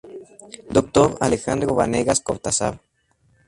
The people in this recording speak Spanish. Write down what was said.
Dr. Alejandro Vanegas Cortázar.